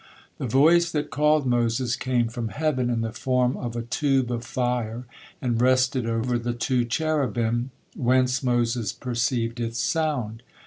The voice that called Moses came from heaven in the form of a tube of fire and rested over the two Cherubim, whence Moses perceived its sound.